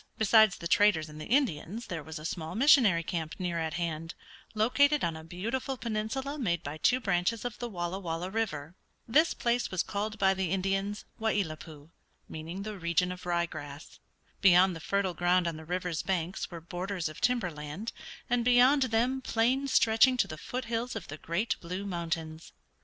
Besides the traders and the Indians there was a small missionary camp near at hand, located on a beautiful peninsula made by two branches of the Walla Walla River. This place was called by the Indians Wai i lat pui, meaning the region of rye grass. Beyond the fertile ground on the river's banks were borders of timber land, and beyond them plains stretching to the foot hills of the great Blue Mountains.